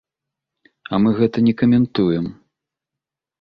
А мы гэта не каментуем.